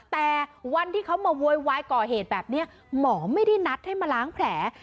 แต่วันที่เขามาโวยวายก่อเหตุแบบนี้หมอไม่ได้นัดให้มาล้างแผล